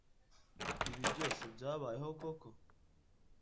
Ibi byose byabayeho koko?